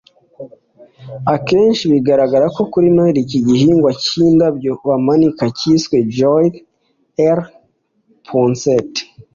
Akenshi bigaragara kuri Noheri, iki gihingwa cyindabyo bamanika cyiswe Joel R. Poinsett